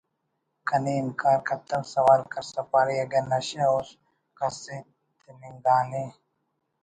کنے انکار کتو سوال کرسا پارے ”اگہ نشہ اس کس ءِ تننگانے